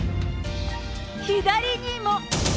左にも。